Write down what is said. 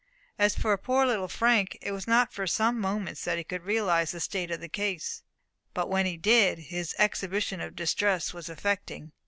As for poor little Frank, it was not for some moments that he could realize the state of the case; but when he did, his exhibition of distress was affecting.